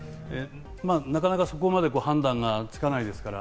なかなかそこまで判断がつかないですから。